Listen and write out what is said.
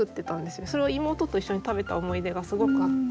それを妹と一緒に食べた思い出がすごくあって。